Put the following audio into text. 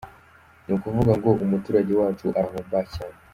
Ni ukuvuga ngo umuturage wacu arahomba cyane.